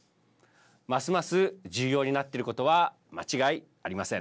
ますます重要になっていることは間違いありません。